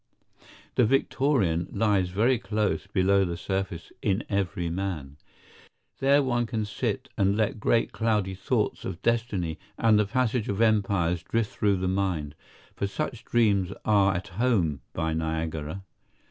The Victorian lies very close below the surface in every man. There one can sit and let great cloudy thoughts of destiny and the passage of empires drift through the mind; for such dreams are at home by Niagara.